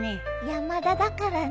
山田だからね。